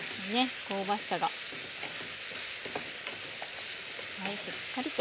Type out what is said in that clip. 香ばしさがはいしっかりと。